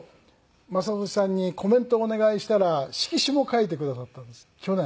雅俊さんにコメントをお願いしたら色紙も書いてくださったんです去年。